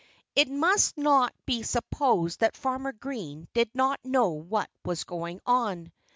It must not be supposed that Farmer Green did not know what was going on.